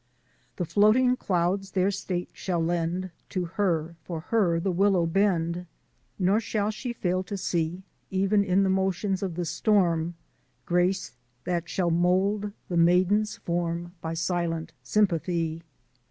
"The floating clouds their state shall lend To her: For her the willow bend; Nor shall she fail to see Even in the motions of the storm Grace that shall mould the maiden s form By silent sympathy.